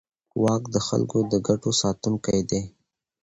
واک د خلکو د ګټو ساتونکی دی.